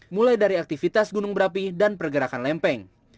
mulai dari aktivitas gunung berapi dan pergerakan lempeng